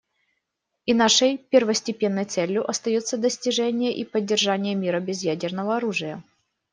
И нашей первостепенной целью остается достижение и поддержание мира без ядерного оружия.